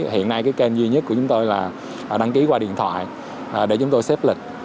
hiện nay cái kênh duy nhất của chúng tôi là đăng ký qua điện thoại để chúng tôi xếp lịch